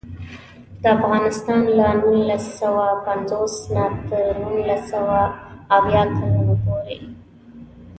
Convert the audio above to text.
افغانستان له نولس سوه پنځوس نه تر نولس سوه اویا کلونو پورې.